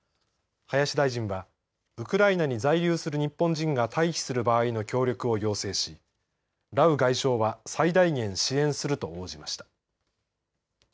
林大臣はウクライナに在留する日本人が退避する場合の協力を要請しラウ外相は最大限支援すると応じました。